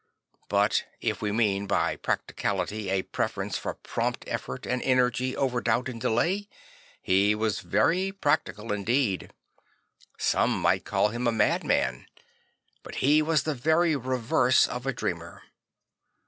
But if we mean by practicality a preference for prompt effort and energy over doubt or delay, he was very practical indeed. Some might call him a madman, but he was the very reverse of a dreamer.